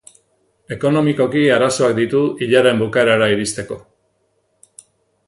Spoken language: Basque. Ekonomikoki arazoak ditu hilaren bukaerara iristeko.